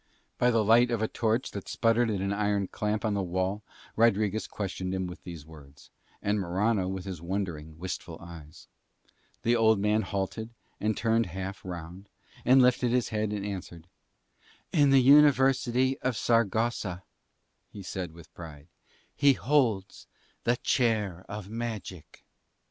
By the light of a torch that spluttered in an iron clamp on the wall Rodriguez questioned him with these words, and Morano with his wondering, wistful eyes. The old man halted and turned half round, and lifted his head and answered. "In the University of Saragossa," he said with pride, "he holds the Chair of Magic."